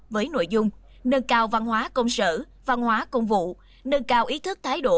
với nội dung nâng cao văn hóa công sở văn hóa công vụ nâng cao ý thức thái độ